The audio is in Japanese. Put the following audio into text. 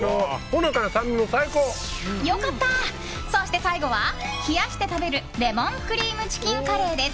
そして最後は、冷やして食べるレモンクリームチキンカレーです。